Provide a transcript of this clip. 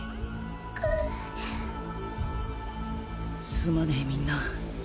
すまねえみんな。